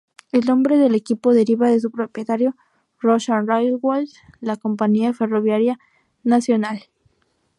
El nombre del equipo deriva de su propietario, Russian Railways, la compañía ferroviaria nacional.